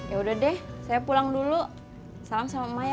yaudah deh saya pulang dulu salam sama emak ya po